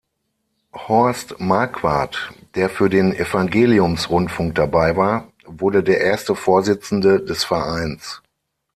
Horst Marquardt, der für den Evangeliums-Rundfunk dabei war, wurde der erste Vorsitzende des Vereins.